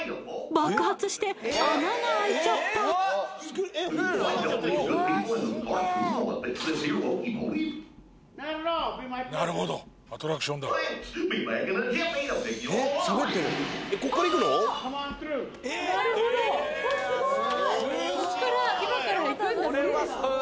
爆発して穴が開いちゃったなるほどうわっすごい